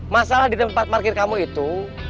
masalah di tempat parkir kamu itu